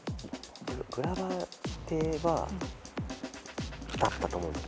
グラバー邸はだったと思うんです。